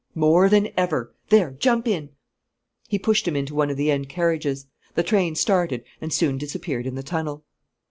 "More than ever. There, jump in!" He pushed him into one of the end carriages. The train started and soon disappeared in the tunnel.